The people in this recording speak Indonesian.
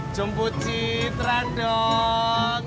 jemput cid randong